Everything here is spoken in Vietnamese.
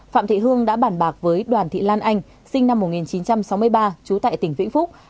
phạm thị hương đã bản bạc với đoàn thị lan anh sinh năm một nghìn chín trăm sáu mươi ba trú tại tỉnh vĩnh phúc